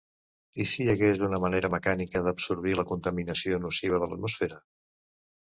I si hi hagués una manera mecànica d'absorbir la contaminació nociva de l'atmosfera?